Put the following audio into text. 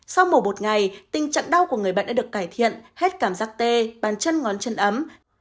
sau mổ một ngày tình trạng đau của người bệnh đã được cải thiện hết cảm giác tê bàn chân ngón chân ấm